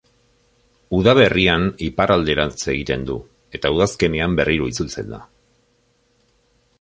Udaberrian iparralderantz egiten du, eta udazkenean berriro itzultzen da.